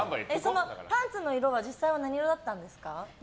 パンツの色は実際は何色だったんですか？